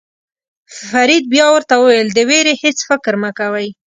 فرید بیا ورته وویل د وېرې هېڅ فکر مه کوئ.